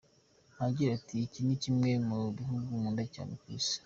Agira ati “Iki ni kimwe mu bihugu nkunda cyane ku isi.